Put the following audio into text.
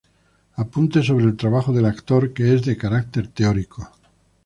Apuntes sobre el trabajo del actor", que es de carácter teórico.